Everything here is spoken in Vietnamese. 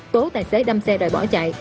tố tài xế đâm xe rồi bỏ chạy